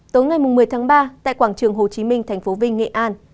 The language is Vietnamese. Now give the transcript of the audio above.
tối ngày một mươi tháng ba tại quảng trường hồ chí minh tp vinh nghệ an